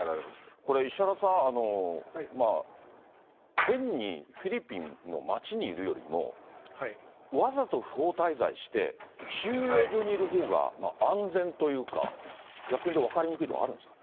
これ石原さん、変に、フィリピンの街にいるよりも、わざと不法滞在して、収容所にいる方が安全というか、逆に分かりにくいところあるんですか？